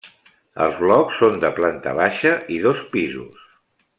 Els blocs són de planta baixa i dos pisos.